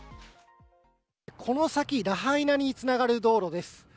この先、ラハイナに繋がる道路です。